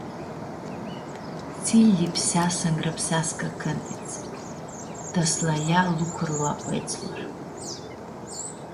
Tsi lj-lipsea s-ãnyrãpseascã cãntits, ta s-lã ljea lucurlu a poetslor.